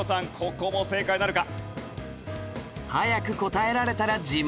ここも正解なるか？